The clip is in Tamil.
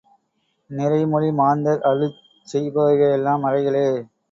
நிறைமொழி மாந்தர் அருளிச் செய்பவையெல்லாம் மறைகளே!